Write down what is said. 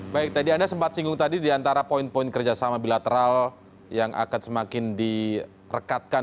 baik tadi anda sempat singgung tadi diantara poin poin kerjasama bilateral yang akan semakin direkatkan